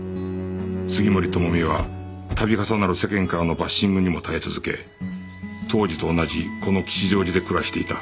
杉森知美は度重なる世間からのバッシングにも耐え続け当時と同じこの吉祥寺で暮らしていた